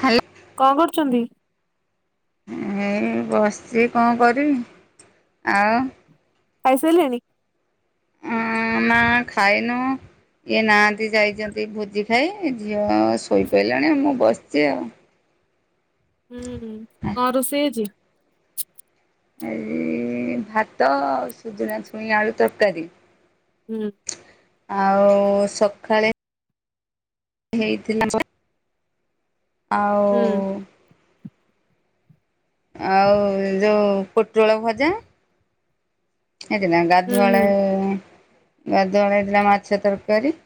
ହ୍ୟାଲ କଁ କରୁଚନ୍ତି? ଉଁ ବସିଛି କଣ କରିମୀ, ଆଉ ଖାଇ ସାଇଲେଣି? ଉଁ ନା ଖାଇନୁ। ଇଏ ନାହାନ୍ତି ଯାଇଛନ୍ତି ଭୋଜି ଖାଇ ଝିଅ ଶୋଇପଇଲାଣି ମୁଁ ବସିଛି ଆଉ। ଉଁ ହୁଁ କଣ ରୋଷେଇ ଆଜି? ଏଇ ଭାତ ଆଉ ସୁଜୁନା ଛୁଇଁ ଆଳୁ ତରକାରୀ। ହୁଁ। ଆଉ ସଖାଳେ ହେଇଥିଲା [unintelligible] ଆଉ ହୁଁ ଆଉ ଯୋଉ ପୁଟଳ ଭଜା। [unintelligible] ହୁଁ ଗାଧୁଆଳେ ହୁଁ ଗାଧୁଆଳେ ହେଇଥିଲା ମାଛ ତରକାରୀ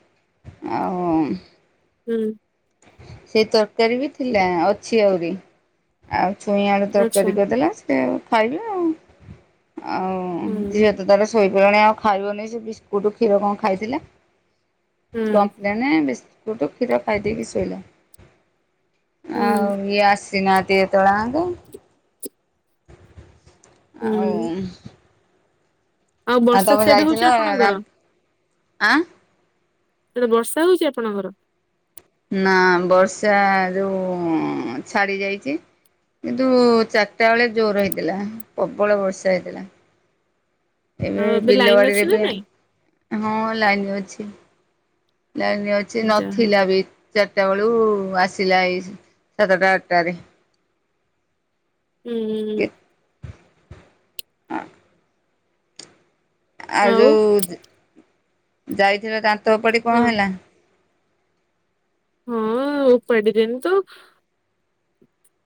ଆଉ ହୁଁ। ସେଇ ତରକାରୀ ବି ଥିଲା ଅଛି ଆହୁରି। ଆଉ ଛୁଇଁ ଆଳୁ ଆଚ୍ଛା ତରକାରୀ କରିଦେଲା ସେ ଖାଇଲେ ଆଉ, ଆଉ ହୁଁ ଝିଅ ତାର ଶୋଇପଇଲାଣି ଆଉ ଖାଇବନି ସେ ବିସ୍କୁଟ କ୍ଷୀର କଁ ଖାଇଥିଲା। ହୁଁ କପ୍ଲେନ, ବିସ୍କୁଟୁ, କ୍ଷୀର ଖାଇ ଦେଇକି ଶୋଇଲା। ହୁଁ ଆଉ ଇଏ ଆସିନାହାନ୍ତି ଏତ ଳ ଆଙ୍କ [inaudible] ଆଉ ହୁଁ। ଆଉ ଆ ବର୍ଷା ତମେ ସିଆଡେ ହଉଛି ଯାଇଥିଲ ଆପଣଙ୍କର? [unintelligible] ଆଁ। ସାଡେ ବର୍ଷା ହଉଛି ଆପଣଙ୍କର? ନା ବର୍ଷା ଯୋଉ ଛାଡି ଯାଇଚି। କିନ୍ତୁ ଚାଟା ବେଳେ ଜୋର୍ ହେଇଥିଲା ପ୍ରବଳ ବର୍ଷା ହେଇଥିଲା। ଏବେ ଆଉ ଲାଇନ ବିଲବାଡିରେ ଅଛି ନା ବି ନାଇଁ? ହଁ ଲାଇନ ଅଛି ଲାଇନ ଅଛି ଯାହା ହଉ ନଥିଲା ବି। ଚାଟା ବେଳୁ ଆସିଲା ଏଇ ସାତଟା ଆଟଟାରେ। ଉଁ। ଆଉ ଯୋଉ ଯ ଯାଇଥିଲ ଦାନ୍ତ ଓପାଡି କଣ ହଁ ହେଲା? ହଁ ଆଉ ଉପାଡିଲେନି ତ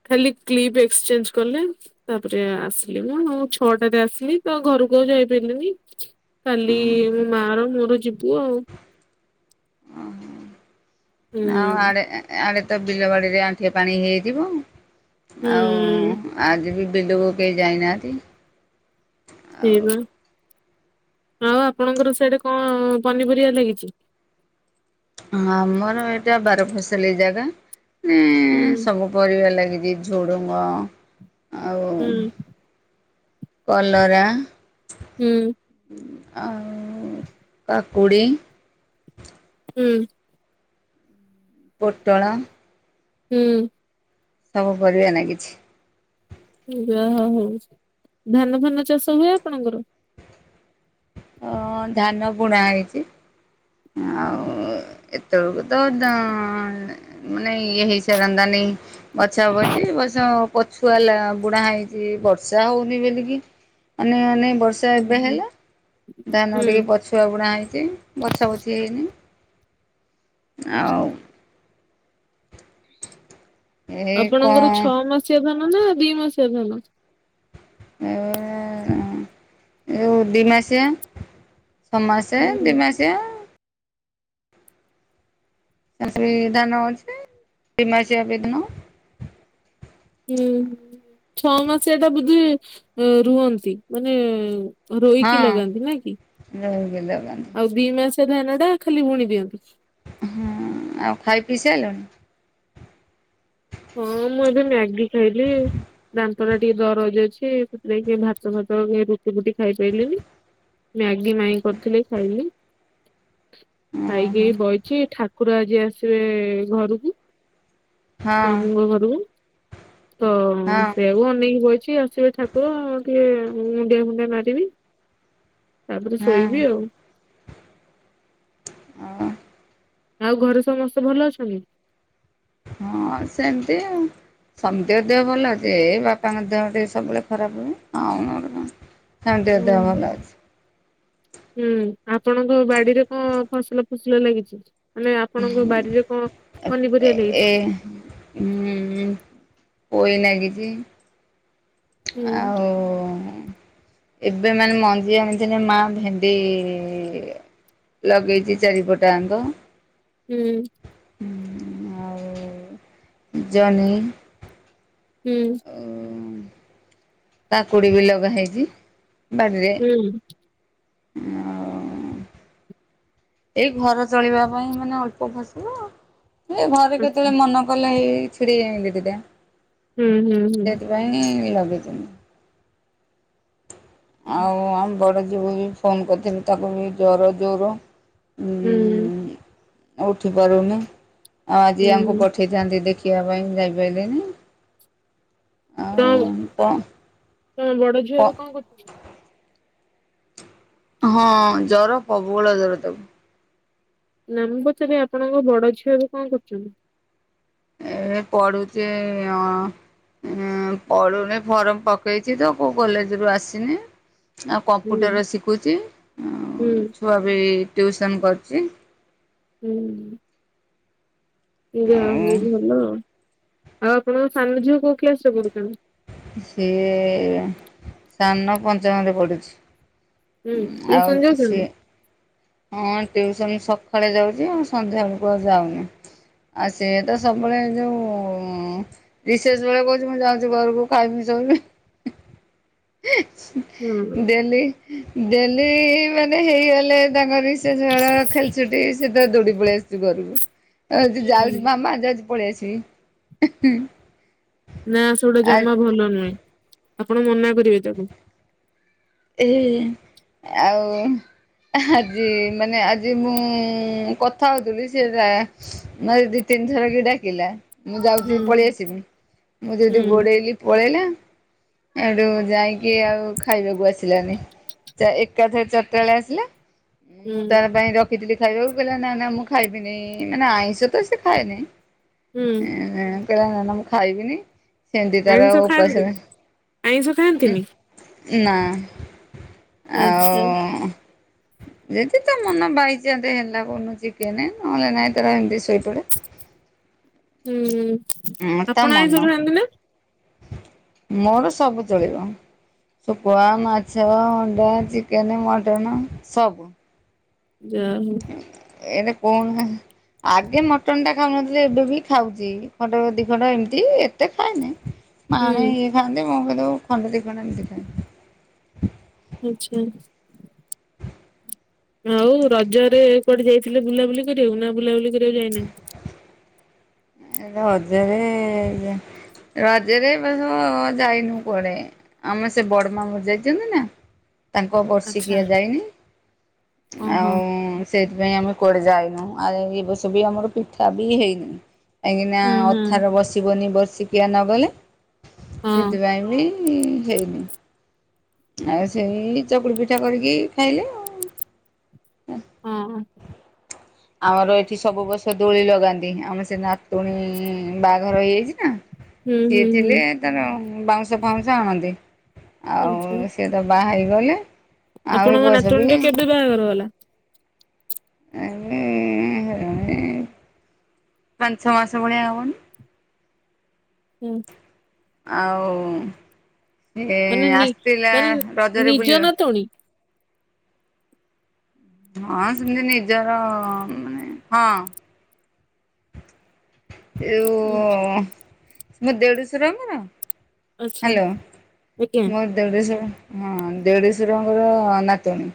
ଖାଲି କ୍ଲିପ ଏକ୍ସଚେଞ୍ଜ କଲେ। ତାପରେ ଆସିଲି ମୁଁ ଆଉ। ଛଅଟାରେ ଆସିଲି ତ ଘରକୁ ଆଉ ଯାଇ ପାରିଲିନି। କାଲି ମା ର ମୋର ଯିବୁ ଆଉ। ହୁଁ ଆଉ ଆଡେ ଏ ଏ ଆଡେ ତ ବିଲ ବାଡିରେ ଆଣ୍ଠିଏ ପାଣି ହେଇଥିବ। ହୁଁ ଆଉ ଉଁ ଆଜି ବି ବିଲୁକୁ କେହି ଯାଇନାହାନ୍ତି। ଆଉ ସେଇ ବା ଆଉ ଆପଣଙ୍କର ସିଆଡେ କଣ ପନିପରିବା ଲାଗିଛି? ହଁ ଆମର ଏଇଟା ବାର ଫସଲି ଜାଗା। ଉଁ ହୁଁ ସବୁ ପରିବା ଲାଗିଛି ଝୁଡ଼ୁଙ୍ଗ ଆଉ ହୁଁ କଲରା ହୁଁ। ଆଉ କାକୁଡ଼ି ହୁଁ। ପୋଟଳ ହୁଁ। ସବୁ ପରିବା ଲାଗିଛି। ଯାହ ହଉ। ଧାନ ଫାନ ଚାଷ ହୁଏ ଆପଣଙ୍କର? ଅ ଧାନ ବୁଣା ହେଇଛି। ଆଉ ଏତେବେଳକୁ ତ ମାନେ ଇଏ ହେଇ ସାରନ୍ତାଣି ବଛା-ବଛି ଏ ବର୍ଷ ପଛୁଆ ଲା ବୁଣା ହେଇଛି, ବର୍ଷା ହଉନି ବୋଲିକି। ଅନେଇ ଅନେଇ ବର୍ଷା ହୁଁ ଏବେ ହୁଁ ହେଲା। ଧାନ ହୁଁ ଟିକେ ପଛ ଛୁଆ ବୁଣା ହେଇଛି, ବଛା ବଛି ହେଇନି। ଆଚ୍ଛା। ଆଉ ଏ ଆପଣଙ୍କର କଣ ଛଅ ମାସିଆ ଧାନ ନା ଦି ମାସିଆ ଧାନ? ଏ ଏ ଦି ମାସିଆ। ଛଅ ମାସ, ହୁଁ ଦି ମାସିଆ ବି ଧାନ ଅଛି ଦି ମାସିକ ବି ଧାନ। ହୁଁ, ଛଅ ମାସିଆ ଟା ବୋଧେ ରୁଆନ୍ତି। ମାନେ ରୋଇକି ହଁ ଲଗାନ୍ତି ନା କି? ରହିବେ ଦୋକାନରେ ଆଉ ଦି ମାସିଆ ଧାନ ଟା ଖାଲି ବୁଣି ଦିଅନ୍ତି। ହୁଁ, ଆଉ ଖାଇ ପିଇ ସାରିଲଣି? ହଁ ମୁଁ ଏବେ ମ୍ୟାଗି ଖାଇଲି। ଦାନ୍ତ ଟା ଟିକେ ଦରଜ ଅଛି ସେଥିପାଇଁ କି ଭାତ ଫାତ, ରୁଟି ବୁଟି ଖାଇ ପାରିଲନି। ମ୍ୟାଗି ମାଇଁ କରିଥିଲେ ଖାଇଲି। ଖାଇକି ଓହୋ ହେଇ ବଇଛି। ଠାକୁର ଆଜି ଆସିବେ ଘରକୁ। ହଁ ମାମୁଁଙ୍କ ଘରକୁ। ତ ହଁ ସେଆକୁ ଅନେଇକି ବଇଛି, ଆସିବ ଠାକୁର ଆ ଟିକେ ମୁଣ୍ଡିଆ ଫୁଣ୍ଡିଆ ମାରିବି ତାପରେ ଶୋଇବି ଆଉ। ହଁ ଆଉ ଘରେ ସମସ୍ତେ ଭଲ ଅଛନ୍ତି? ହଁ ସେମିତି ଆଉ। ସମିତିଙ୍କ ଦେହ ଭଲ ଅଛି ଏଇ ବାପାଙ୍କ ଦେହ ଟିକେ ସବୁବେଳେ ଖରାପ ହୁଏ ଆଉ ନହେଲେ କଣ। ସମସ୍ତିଙ୍କ ହୁଁ ଦେହ ଭଲ ହଁ। ଅଛି ହୁଁ, ଆପଣଙ୍କ ବାଡ଼ିରେ କଣ ଫସଲ ଫୁସଲା ଲାଗିଛି? ମାନେ ଆପଣଙ୍କ ବାଡିରେ କଣ ପନିପରିବା ଲାଗିଛି? ହଁ ପୋଇ ଲାଗିଛି। ହୁଁ ଆଉ ଏବେ ମାନେ ମଞ୍ଜି ଆଣିଛନ୍ତି ମା ଭେଣ୍ଡି ଲଗେଇଚି ଚାରିପଟ ଆଙ୍କ। ହୁଁ। [unintelligible] ଜହ୍ନି ହୁଁ। କାକୁଡ଼ି ବି ଲଗା ହେଇଚି ବାଡ଼ିରେ। ହୁଁ ଆଉ ଏଇ ଘର ଚଳିବା ପାଇଁ ମାନେ ଅଳ୍ପ ଫସଲ। ଏ ଘରେ ଆଚ୍ଛା କେତେବେଳେ ମନ କଲେ ହେଇ ଛିଡେଇ ଆଇଁଲେ ଦିଟା। ହୁଁ ହୁଁ ହୁଁ। ପାଇଁ ଲଗେଇଛନ୍ତି। ଆଉ ଆମ ବଡ ଜ୍ୟୋଇଁ ଫୋନ୍ କରିଥିଲି ତାକୁ ବି ଜ୍ୱର ଜୋର। ହୁଁ। ଆଉ ଉଠି ପାରୁନି। ଆଉ ଆଜି ଆଙ୍କୁ ହୁଁ ପଠେଇଥାନ୍ତି ଦେଖିବା ପାଇଁ ଯାଇପାଇଲେନି। [unintelligible] କଣ ତମ ବଡ କ ଝିଅ ଏବେ କଣ କରୁଚି? ହଁ ଜର ପ୍ରବଳ ଜର ତାକୁ। ନା ମୁଁ ପଚାରିଲି ଆପଣଙ୍କ ବଡ ଝିଅ ଏବେ କଣ କରୁଚନ୍ତି? ଏ ପଢୁଚି ଅଁ ପଢ଼ୁନି ଫର୍ମ ପକେଇଚି ତ କୋଉ କଲେଜରୁ ଆସିନି। ଆଉ ହୁଁ କମ୍ପ୍ୟୁଟର ଶିକୁଚି। ହୁଁ ଛୁଆ ବି ଟିଉସନ୍ କରୁଚି। ହୁଁ। ଯାହା ଆଉ ହଉ ଭଲ। ଆଉ ଆପଣଙ୍କ ସାନ ଝିଅ କୋଉ କ୍ଲାସ୍ ରେ ପଢ଼ୁଛନ୍ତି? ସେ ସାନ ପଞ୍ଚମରେ ପଢ଼ୁଚି। ହୁଁ ଆଉ ଟିଉସନ ସେ ଯାଉଛନ୍ତି? ହଁ ଟିଉସନ ସକାଳେ ଯାଉଚି ଆଉ ସନ୍ଧ୍ୟା ବେଳକୁ ଆଉ ଯାଉନି। ଆ ସେ ତ ସବୁବେଳେ ଯୋଉ ରିସେସ ବେଳେ କହୁଚି ମୁଁ ଯାଉଚି ଘରକୁ ଖାଇ ପିଇକି ଶୋଇବି। ହଁ ଡେଲି ଡେଲି ମାନେ ହେଇଗଲେ ତାଙ୍କ ରିସେସ ବେଳେ ଖେଳଛୁଟି ସିଧା ଦୌଡିକି ପଳେଇ ଆସୁଚି ଘରକୁ। କହୁଚି ଯାଉଚି ହୁଁ ମାମା ଯାଉଚି ପଳେଇ ଆସିବି। ନା ସେଗୁଡା ଆ ଜମା ଭଲ ନୁହେଁ। ଆପଣ ମନା କରିବେ ତାକୁ। ଏହେ ଆଉ ଆଜି ମାନେ ଆଜି ମୁଁ କଥା ହଉଥିଲି ସେ ତା ମତେ ଦି ତିନି ଥର କି ଡାକିଲା। ମୁଁ ହୁଁ ଯାଉଚି ପଳେଇ ଆସିବି। ମୁଁ ଯେମତି ହୁଁ ଗୋଡେଇଲି ପଳେଇଲା। ହେଠୁ ଯାଇକି ଆଉ ଖାଇବାକୁ ଆସ ଆସିଲାନି। ଏକାଥରେ ଚାରଟା ବେଳେ ଆସିଲା। ହୁଁ ମୁଁ ତା ପାଇଁ ର ଖିଥିଲି ଖାଇବାକୁ କିହିଲା ନାଇଁ ନାଇଁ ମୁଁ ଖାଇବିନି। ମାନେ ଆଇଁଷ ତ ସେ ଖାଏନି। ହୁଁ କହିଲା ମାମା ମୁଁ ଖାଇବିନି। ସେନ୍ତି ତାର ଆଇଁଷ ଖାଆନ୍ତି? ଉପାସ ଆଇଁଷ ଖାଆନ୍ତିନି? ନା ଆଚ୍ଛା ଆଉ ଯଦି ତା ମନ ବାଇଚାନ୍ସ ହେଲା କୋଉଦିନ ଚିକେନେ ନହେଲେ ନାଇଁ ତାର ହେମିତି ଶୋଇପଡେ। ହୁଁ। ହଁ ତା ଆପଣ ମନ ଆଇଁଷ ଖାଆନ୍ତି ନା? ମୋର ସବୁ ଚଳିବ। ଶୁଖୁଆ ମାଛ ଅଣ୍ଡା ଚିକେନେ ମଟନ୍ ସବୁ। ଜ୍ୟାହିଁ। ଏଇଟା କଣ? ଆଗେ ମଟନ ଟା ଖାଉନଥିଲେ ଏବେ ବି ଖାଉଛି ଖଣ୍ଡ ଦି ଖଣ୍ଡ ଏମିତି ଏତେ ଖାଇନି। ମାଣେ ହୁଁ। ଇଏ ଖଆନ୍ତି ମୋ କିନ୍ତୁ ଖଣ୍ଡ ଦୀ ଖଣ୍ଡ ଏମିତି ଖଏ। କିଛି। ଆଉ ରଜରେ କୁଆଡେ ଯାଇଥିଲେ ବୁଲାବୁଲି କରିବାକୁ ନା ବୁଲାବୁଲି କରିବାକୁ ଯାଇନାଁ? ରଜରେ ରଜରେ ଏବର୍ଷ ଯାଇନେହୁଁ କୁଆଡେ। ଆମେ ସେ ବଡମା ମରି ଯାଇଚନ୍ତି ନା? ତାଙ୍କ ଆଚ୍ଛା ବର୍ଷିକିଆଯାଇନେହିଁ ଓହୋ। ଆଉ। ସେଇଥିପାଇଁ ଆମେ କୁଆଡ଼େ ଯାଉନେହୁଁ ଆଉ ଏ ବର୍ଷ ବି ଆମର ପିଠା ବି ହେଇନେହିଁ। କାହିଁକିନା ହୁଁ ହୁଁ ଏଥର ବସିବନି ବର୍ଷିକିଆ ନଗଲେ ହଁ ସେଥିପାଇଁ ବି ହେଇନି ଆଉ ସେଇ ଚକୁଳି ପିଠା କରିକି ଖାଇଲେ ଆଉ। ହୁଁ। ଆମର ଏଠି ସବୁ ବର୍ଷ ଦୋଳି ଲଗାନ୍ତି ଆମର ସେ ନାତୁଣୀ ବାହାଘର ହେଇଯାଇଛି ନା। ସିଏ ହୁଁ ହୁଁ ଥିଲେ ତାର ବାଉଁଶ ଫାଉଁଶ ଆଣନ୍ତେ। ଇଛା। ସିଏତ ବାହା ହେଇଗଲା। ଆପଣଙ୍କ ନାଚୁଣୀ ର କେବେ ବାହାଘର ଗଲା? ଆଜ୍ଞା ଏଇ କଣକି ପଞ୍ଚ ଛ ମାସ ଭଳିଆ ହବନି। ହିଁ। ଆଉ ଏଇ ମାନେ ନି ଆସିଥିଲା ମାନେ ରଜରେ ନିଜ ବୁଲିବାକୁ। ନାତୁଣୀ ହଁ ସେମିତି ନିଜର ମାନେ ହଁ। ଆଚ୍ଛା ଏଅ ମୋ ଦେଢଶୁର ଙ୍କର। ଆଚ୍ଛା, ହାଲୋ ଆଜ୍ଞା ମୁଁ। ଦେଢଶୁର ହଁ ଦେଢଶୁରଙ୍କର ନାାତୁଣୀ।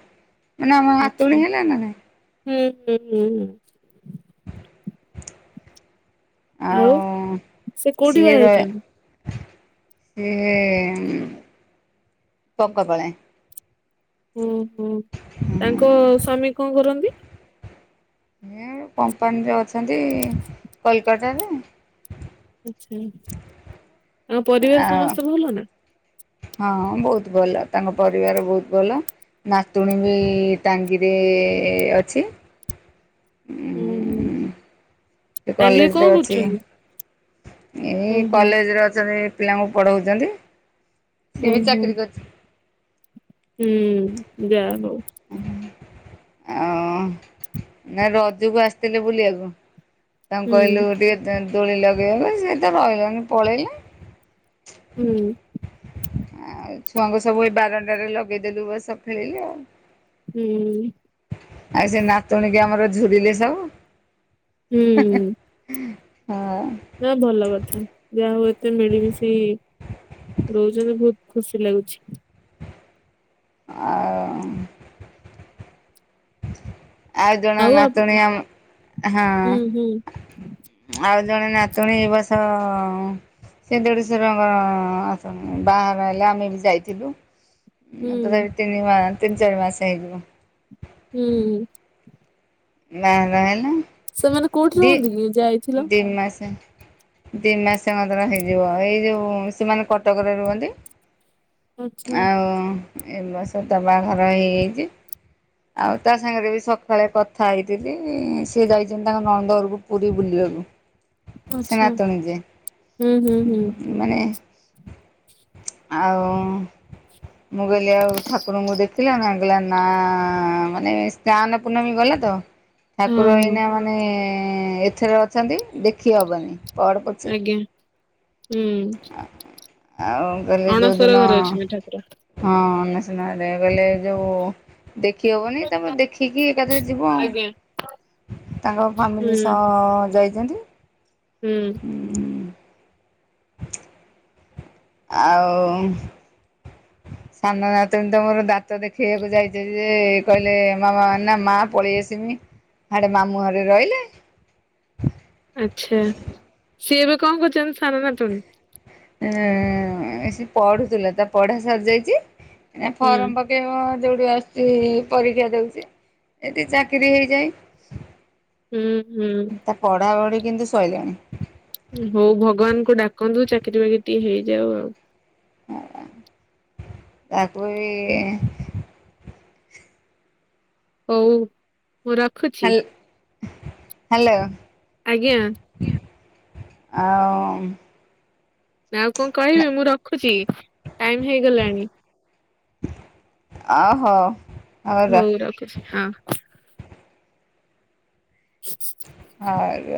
ଏଣୁ ଆମ ଆଚ୍ଛା। ନାତୁଣୀ ହେଲା ନା ନାହିଁ? ହୁଁ ହୁଁ ହୁଁ ହୁଁ। ଆଉ ସେ କୋଉଠି ବାହା ସିଓର। ହେଇଛନ୍ତି? ସିଏ ପଙ୍କ ପାଳେ। ହୁଁ ହୁଁ ତାଙ୍କ ସ୍ଵାମୀ କଣ କରନ୍ତି? ସେ କମ୍ପାନୀରେ ଅଛନ୍ତି କଲିକତାରେ। ଆଛା ଆଉ ପରିବାର ଆଉ ସମସ୍ତେ ଭଲ ନା? ହଁ ବହୁତ ଭଲ ତାଙ୍କ ପରିବାର ବହୁତ ଭଲ। ନାତୁଣୀ ବି ଟାଙ୍ଗିରେ ଅଛି। ହୁଁ ହୁଁ ଉ ସେ ତାଙ୍ଗିରି କଣ କଲେଜରେ ଅଛି। କରୁଛନ୍ତି? ଏଇ ଓହୋ କଲେଜେରେ ଅଛନ୍ତି ପିଲାଙ୍କୁ ପଢଉଚନ୍ତି। ଓ ହୋ ହୁଁ ଯା ହଉ। ଓ ନା ରଜକୁ ଆସିଥିଲି ବୁଲିବାକୁ। ତାଙ୍କୁ କହିଲୁ ହୁଁ ଗୋଟିଏ ଦୋଳି ଲଗେଇବାକୁ ସେ ତ ରହିଲାନେହିଁ ପଳେଇଲା। ହୁଁ। ଆଉ ଛୁଆଙ୍କୁ ସବୁ ଏଇ ବାରଣ୍ଡାରେ ଲଗେଇଦେଲୁ ବସ ଖେଳିଲେ ଆଉ। ହୁଁ। ଆଉ ସେ ନାତୁଣୀ କି ଆମର ଝୁୁରିଲେ ସବୁ। ହୁଁ। ହଁ। ନା ଭଲ କଥା, ଯାହା ହଉ ଏତେ ମିଳିମିଶି ରହୁଛନ୍ତି ବହୁତ ଖୁସି ଲାଗୁଛି। ଆଉ ଆଉ ଜଣେ ନାତୁଣି ଆମ, ହଁ ହୁଁ [inaudible] ଆଉ ଜଣେ ନାତୁଣୀ ଏୟୀ ବର୍ଷ ସେ ଦେଢଶୁରଙ୍କର ବାହାଘର ହେଲା, ଆମେ ବି ଯାଇଥିଲୁ। ହଁ ମତେ ବି ହୁଁ ଏୟୀ ତିନି ମାସ ତିନି ଚାରି ମାସ ହେଇଯିବ। ହୁଁ। [unintelligible] ସେମାନେ କୋଉଠି ଦି ରୁହନ୍ତି କି ଯାଇଥିଲ? ଦି ମାସ ଦି ମାସ ମାସର ହେଇଯିବ, ଏଇ ଯୋଉ ସେମାନେ କଟକରେ ରୁହନ୍ତି ଆଚ୍ଛା ଆଉ। ଏ ବସ ତ ବାହାଘର ହେଇଯାଇଛି ଆଉ ତା ସାଙ୍ଗରେ ବି ସକାଳେ ଥାଇଥିଲେ ସି ଯାଇଛନ୍ତି ତାଙ୍କ ନଣନ୍ଦ ଘରକୁ ପୁରୀ ବୁଲିବାକୁ। ଆଚ୍ଛା ସନାତନ ଯେ ହୁଁ ହୁଁ ହୁଁ ମାନେ ଆଉ। ମୁଁ କହିଲି ଆଉ ଠାକୁରଙ୍କୁ ଦେଖିଲାଣି, କହିଲା ନା ମାନେ ଗାନ ପୂର୍ଣ୍ଣମୀ ଗଲେ ତ ହଁ ଠାକୁର ହଁ ଏଇନା ମାନେ, ଏଥରେ ଅଛନ୍ତି, ଦେଖି ହେବନି ପଢ଼ ପଛେ ଆଜ୍ଞା ହୁଁ। ଆଉ ଗଲେ ଅଣସର ଯେଉଁଦିନ, ଘରେ ଅଛନ୍ତି ଠାକୁର ହଁ ଅନସନାରେ ଗଲେ ଯେଉଁ ଦେଖି ହବନି, ତାପରେ ଦେଖିକି ଏକାଥରେ ଯିବ ଆଉ। ଆଜ୍ଞା ତାଙ୍କ ହୁଁ ଫାମିଲି ସହ ଯାଇଛନ୍ତି? ହୁଁ। ଆଉ [inaudible] ସାନ ନାତୁଣୀ ତ ମୋର, ଦାନ୍ତ ଦେଖେଇକୁ ଯାଇଛ ଯେ, କହିଲେ ନା ମା ପଳେଇ ଆସିମି ହାଡ଼େ ମାମୁଁ ଘରେ ରହିଲେ ଆଚ୍ଛା ସିଏ ଏବେ କଣ କରୁଛନ୍ତି, ସାନ ନାତୁଣୀ? ଉ ସେ ପଢୁଥିଲା ତା ପଢା ସରିଯାଇଛି, ଆ ହୁଁ ଫର୍ମ ପା ଯୋଉଠି ଆସୁଛି ପରୀକ୍ଷା ଦଉଛି। ଏଠି ଚାକିରିୀ ହେଇଯାଏ ହୁଁ ହୁଁ। ତା ପଢ଼ାପଢ଼ି କିନ୍ତୁ ଶୋଇିଲାଣି। ହଉ ଭଗବାନ କୁ ଡାକନ୍ତୁ, ଚାକିରି ବାକିରି ଟିକେ ହେଇଯାଉ ଆଉ। ତାକୁ ୟେ ହଉ ହଉ ରଖ ହଲ ହ୍ୟାଲୋ ଆଜ୍ଞା। ଆଉ ନା ଆଉ କଣ କହିବି, ମୁଁ ରଖୁଛି ଟାଇମ ହେଇଗଲାଣି। ଓ ହଉ। ହଉ ରଖୁଛି ହଁ। ହ। ହଁ।